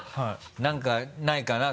何かないかな？